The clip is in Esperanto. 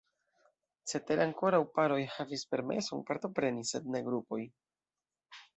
Cetere ankoraŭ paroj havis permeson partopreni sed ne grupoj.